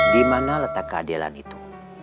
dimana letak keadilan itu